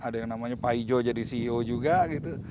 ada yang namanya pak ijo jadi ceo juga gitu